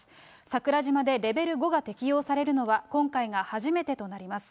桜島でレベル５が適用されるのは、今回が初めてとなります。